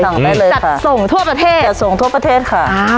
ได้เลยจัดส่งทั่วประเทศจัดส่งทั่วประเทศค่ะ